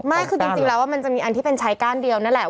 ไม่คือจริงแล้วมันจะมีอันที่เป็นใช้ก้านเดียวนั่นแหละ